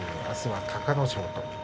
あすは隆の勝と。